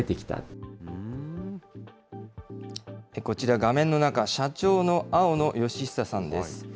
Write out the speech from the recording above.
こちら、画面の中、社長の青野慶久さんです。